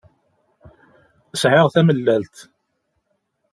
Sεiɣ tamellalt